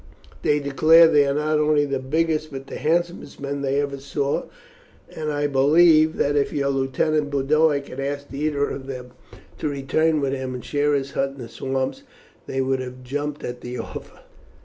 They declare they are not only the biggest but the handsomest men they ever saw, and I believe that if your lieutenant Boduoc had asked either of them to return with him and share his hut in the swamps they would have jumped at the offer."